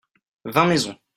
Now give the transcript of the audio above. vingt maisons.